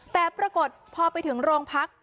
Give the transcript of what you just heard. แต่ปรากฏพอไปถึงโรงพัก